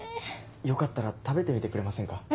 よかったら食べてみてくれませんか？